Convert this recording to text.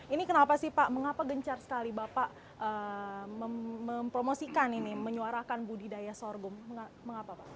ini kenapa sih pak mengapa gencar sekali bapak mempromosikan ini menyuarakan budidaya sorghum mengapa pak